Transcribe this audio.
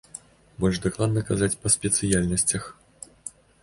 Больш дакладна казаць па спецыяльнасцях.